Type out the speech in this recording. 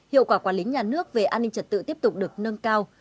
hiệu quả quản lý nhà nước về an ninh trật tự tiếp tục được nâng cao